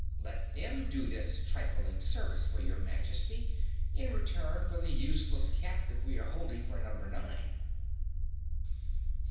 Let them do this trifling service for your Majesty in return for the useless captive we are holding for Number Nine."